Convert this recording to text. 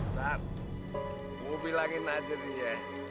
sar mau bilangin aja nih ya